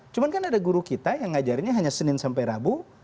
cuma kan ada guru kita yang ngajarinnya hanya senin sampai rabu